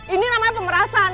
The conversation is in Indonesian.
ini namanya pemerasan